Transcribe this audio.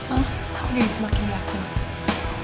aku jadi semakin berhati hati